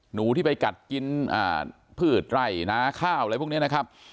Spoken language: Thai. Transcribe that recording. หนูที่ไปกัดกินพืชไร่นาข้าวอะไรพวกนี้นะครับ